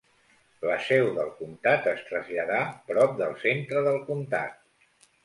La seu del comtat es traslladà prop del centre del comtat.